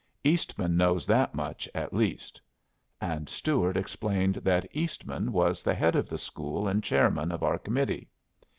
Eastman knows that much, at least." And Stuart explained that Eastman was the head of the school and chairman of our committee.